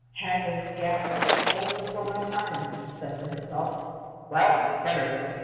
"Haggard, ghastly, old before my time!" she said to herself. "Well! better so.